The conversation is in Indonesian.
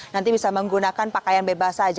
nanti bisa menggunakan pakaian bebas saja